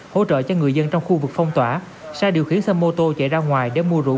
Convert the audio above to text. hỗ trợ cho người dân trong khu vực phong tỏa sau điều khiển xe mô tô chạy ra ngoài để mua rượu